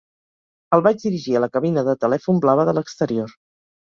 El vaig dirigir a la cabina de telèfon blava de l'exterior.